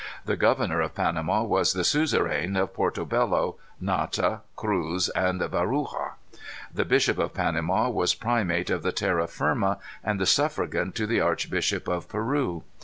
The governor of Panama was the suzerain of Porto Bello, Nata, Cruz, and Veragua. The bishop of Panama was primate of the Terra Firma and the suffragan to the archbishop of Peru.